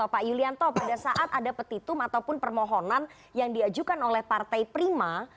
pak yulianto pada saat ada petitum ataupun permohonan yang diajukan oleh partai prima